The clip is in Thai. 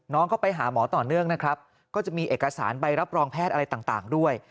น้องก็ไปหาหมอต่อเนื่องนะครับก็จะมีเอกสารใบรับรองแพทย์อะไรต่างด้วย